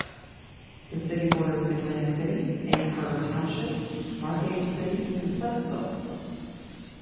The city borders Atlantic City, Egg Harbor Township, Margate City and Pleasantville.